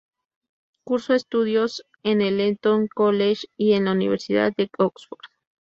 Cursó estudios en el Eton College y en la Universidad de Oxford.